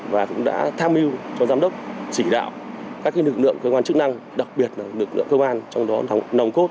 và cũng đã tham mưu cho giám đốc chỉ đạo các nực lượng cơ quan chức năng đặc biệt là nực lượng công an trong đó nồng cốt